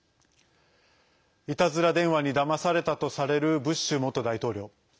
いたずら電話にだまされたとされるブッシュ元大統領。